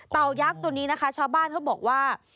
ตายักษ์ตัวนี้นะคะชาวบ้านเขาบอกว่า